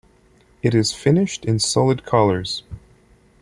It is finished in solid colors.